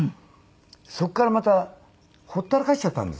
そこからまたほったらかしちゃったんですね。